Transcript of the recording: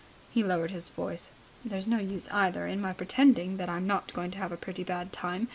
He lowered his voice. "There's no use, either, in my pretending that I'm not going to have a pretty bad time.